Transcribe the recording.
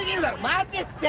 待てって！